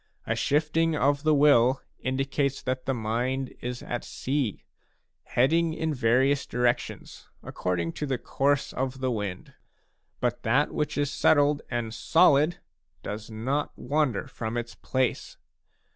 A shifting of the will indicates that the mind is at sea, heading in various directions, accord ing to the course of the wind. But that which is settled and solid does not wander from its place.